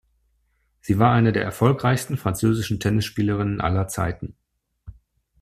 Sie war eine der erfolgreichsten französischen Tennisspielerinnen aller Zeiten.